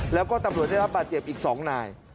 แล้วก็ตำรวจได้รับบาดเจ็บอีก๒นาย